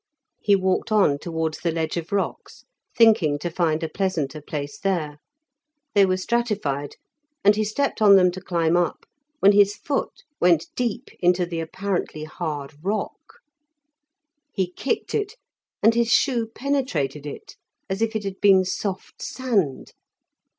He walked on towards the ledge of rocks, thinking to find a pleasanter place there. They were stratified, and he stepped on them to climb up, when his foot went deep into the apparently hard rock. He kicked it, and his shoe penetrated it as if it had been soft sand.